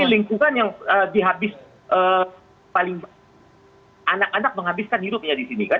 di lingkungan yang dihabis paling anak anak menghabiskan hidupnya di sini kan